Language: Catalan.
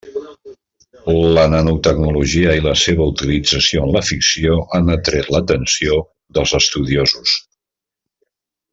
La nanotecnologia i la seva utilització en la ficció han atret l'atenció dels estudiosos.